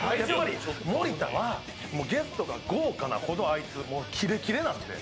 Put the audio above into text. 盛田はゲストが豪華なほどキレキレなんで。